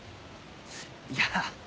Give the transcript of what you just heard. いや。